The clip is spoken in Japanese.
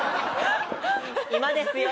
今ですよ